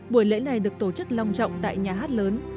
buổi lễ này được tổ chức lòng trọng tại nhà hát lớn